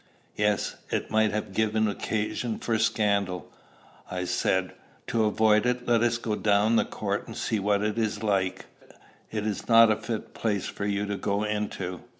"Yes; it might have given occasion for scandal," I said. "To avoid it, let us go down the court and see what it is like." "It's not a fit place for you to go into."